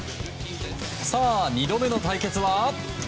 ２度目の対決は。